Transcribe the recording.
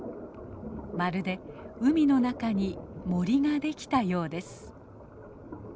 まるで海の中に森ができたようです。